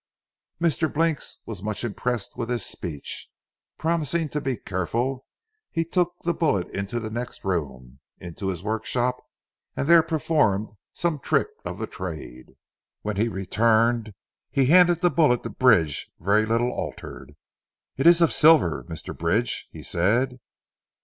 Mr. Blinks was much impressed with this speech. Promising to be careful he took the bullet into the next room into his workshop and there performed some trick of the trade. When he returned he handed the bullet to Bridge very little altered. "It is of silver, Mr. Bridge," he said.